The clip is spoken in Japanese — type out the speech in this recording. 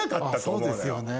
そうですよね。